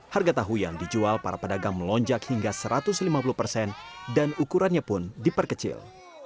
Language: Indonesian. harga tahu yang dijual para pedagang melonjak hingga satu ratus lima puluh persen dan ukurannya pun diperkecil